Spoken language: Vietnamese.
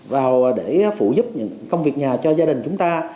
vào để phụ giúp những công việc nhà cho gia đình chúng ta